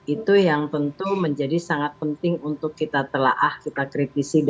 itu yang tentu menjadi sangat penting untuk kita telah kita kritisi